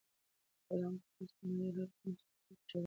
غلام ته اوس د نړۍ هر کونج ته د تګ اجازه شته.